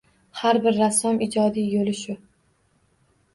Har bir rassom ijodiy yo‘li shu.